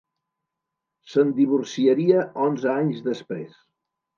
Se'n divorciaria onze anys després.